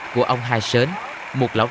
của mấy người